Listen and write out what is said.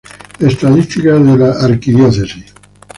Estadísticas de la Arquidiócesis